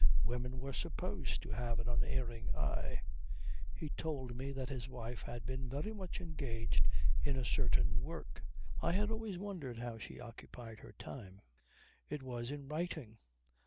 Women were supposed to have an unerring eye. He told me that his wife had been very much engaged in a certain work. I had always wondered how she occupied her time. It was in writing.